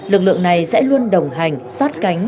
lực lượng này sẽ luôn đồng hành sát cánh